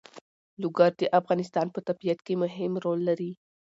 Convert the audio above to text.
لوگر د افغانستان په طبیعت کې مهم رول لري.